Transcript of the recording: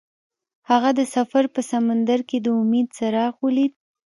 هغه د سفر په سمندر کې د امید څراغ ولید.